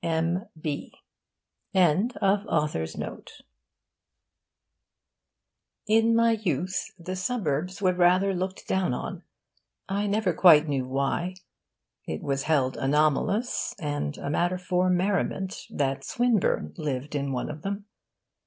M. B.] In my youth the suburbs were rather looked down on I never quite knew why. It was held anomalous, and a matter for merriment, that Swinburne lived in one of them.